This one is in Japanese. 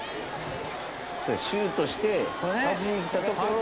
シュートしてはじいたところを。